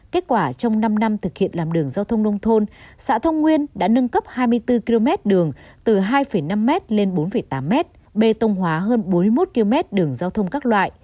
kết quả trong năm năm thực hiện làm đường giao thông nông thôn xã thông nguyên đã nâng cấp hai mươi bốn km đường từ hai năm m lên bốn tám m bê tông hóa hơn bốn mươi một km đường giao thông các loại